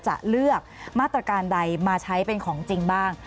จะเลือกมาตรการใดมาใช้เป็นของจริงบ้าง